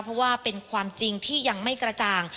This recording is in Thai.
เพราะว่าเป็นความจริงที่ยังไม่กระจ่าง